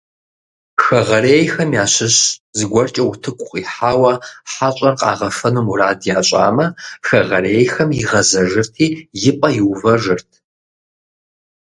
Хэгъэрейхэм ящыщ зыгуэркӀэ утыку къихьауэ хьэщӀэр къагъэфэну мурад ящӀамэ, хэгъэрейхэм игъэзэжырти, и пӀэ иувэжырт.